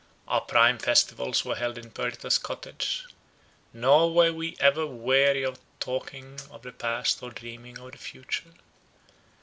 Our prime festivals were held in Perdita's cottage; nor were we ever weary of talking of the past or dreaming of the future.